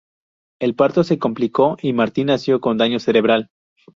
El parto se complicó y Martin nació con daño cerebral.